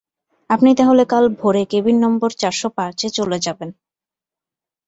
আপনি তা হলে কাল ভোরে কেবিন নম্বর চারশো পাঁচে চলে যাবেন।